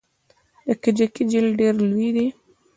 د کجکي جهیل ډیر لوی دی